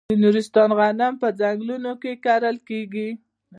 د نورستان غنم په ځنګلونو کې کرل کیږي.